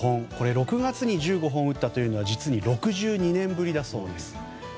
６月に１５本を打ったというのは実に６２年ぶりだそうです。